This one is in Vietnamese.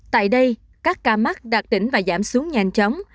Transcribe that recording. tại đây các ca mắc đạt tỉnh và giảm xuống nhanh chóng